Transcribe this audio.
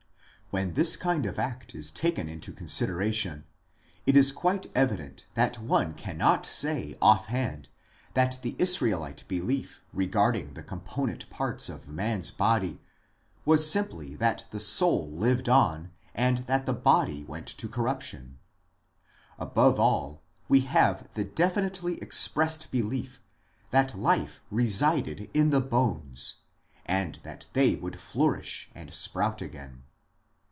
When this kind of fact is taken into consideration it is quite evident that one cannot say off hand that the Israelite belief regard ing the component parts of man s body was simply that the soul lived on and that the body went to corruption. Above all, we have the definitely expressed belief that life resided in the bones, and that they would flourish and sprout again.